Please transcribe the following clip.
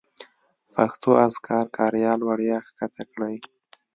پښتو اذکار کاریال وړیا کښته کړئ.